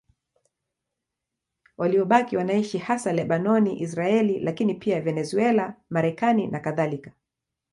Waliobaki wanaishi hasa Lebanoni, Israeli, lakini pia Venezuela, Marekani nakadhalika.